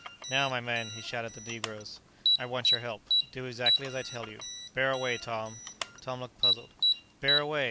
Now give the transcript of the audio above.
"Now, my men," he shouted to the negroes; "I want your help. Do exactly as I tell you. Bear away, Tom!" Tom looked puzzled. "Bear away!